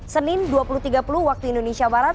senin dua puluh tiga puluh waktu indonesia barat